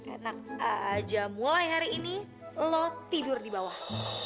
enak aja mulai hari ini lo tidur di bawah